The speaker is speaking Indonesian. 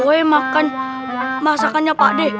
kue makan masakannya pak d